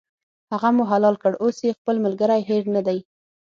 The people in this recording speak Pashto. هغه مو حلال کړ، اوس یې خپل ملګری هېر نه دی.